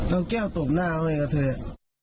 เอาแก้วตบหน้าให้กันเถอะ